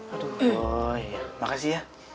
aduh boy makasih ya